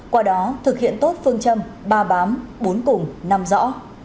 qua đó thực hiện tốt phương châm ba bám bốn cùng năm rõ